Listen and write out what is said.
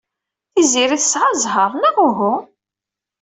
Tiziri tesɛa zzheṛ, neɣ uhu?